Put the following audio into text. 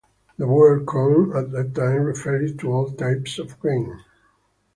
The word "corn" at that time referred to all types of grain.